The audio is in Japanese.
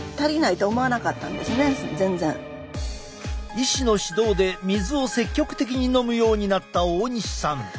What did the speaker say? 医師の指導で水を積極的に飲むようになった大西さん。